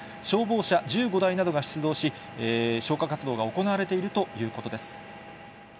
消防車１５台などが出動し、消火活動が行われているということです。